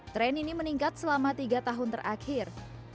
tren ini meningkat selama tiga tahun terakhir